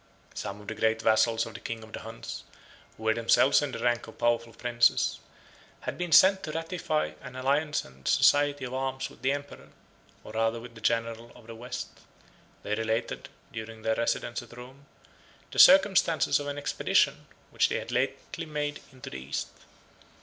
Some of the great vassals of the king of the Huns, who were themselves in the rank of powerful princes, had been sent to ratify an alliance and society of arms with the emperor, or rather with the general of the West. They related, during their residence at Rome, the circumstances of an expedition, which they had lately made into the East.